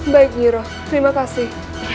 baik niro terima kasih